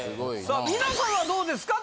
さあ皆さんはどうですか？